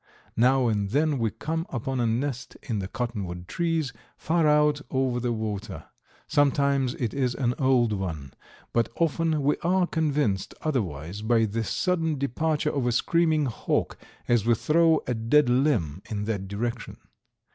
Now and then we come upon a nest in the cottonwood trees, far out over the water. Sometimes it is an old one, but often we are convinced otherwise by the sudden departure of a screaming hawk as we throw a dead limb in that direction.